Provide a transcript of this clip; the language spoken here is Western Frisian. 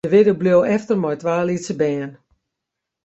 De widdo bleau efter mei twa lytse bern.